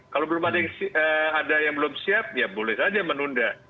kalau ada yang belum siap ya boleh saja menunda